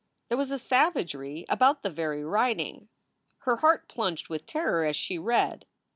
There was a savagery about the very writing. Her heart plunged with terror as she read.